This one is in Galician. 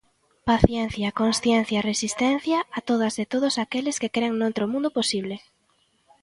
Paciencia, consciencia e resistencia a todas e todos aqueles que cren noutro mundo posible.